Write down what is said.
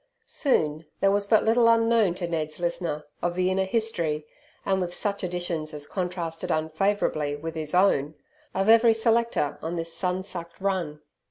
Soon there was but little unknown to Ned's listener of the inner history and with such additions as contrasted unfavourably with his own of every selector on this sun sucked run.